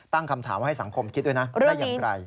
ตั้งคำถามให้สังคมคิดด้วยนะได้อย่างไร